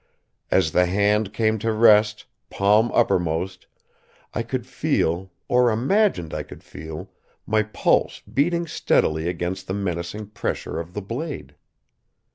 As the hand came to rest, palm uppermost, I could feel, or imagined I could feel my pulse beating steadily against the menacing pressure of the blade.